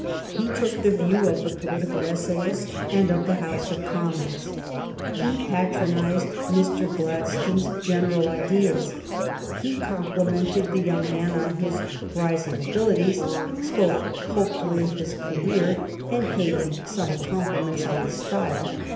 He took the view of the political essayist and of the House of Commons. He pat ronized Mr. Gladstone's general ideas. He compli mented the young man on his rising abilities, spoke hopefully of his career, and paid him some compli ments on his style.